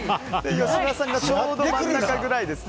吉村さんがちょうど真ん中くらいですね。